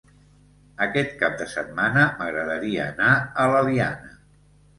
Aquest cap de setmana m'agradaria anar a l'Eliana.